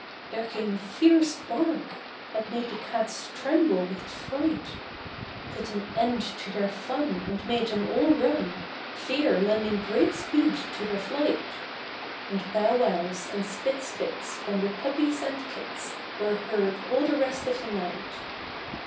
There came a fierce bark, That made the cats tremble with fright ; Put an end to their fun, and made them all run, Fear lending great speed to their flight, And bow wows, and spit spits, from the puppies and kits, Were heard all the rest of the night.